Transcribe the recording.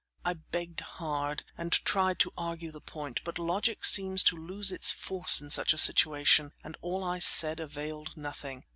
I begged hard, and tried to argue the point, but logic seems to lose its force in such a situation, and all I said availed nothing.